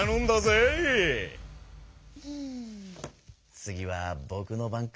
次はぼくの番か。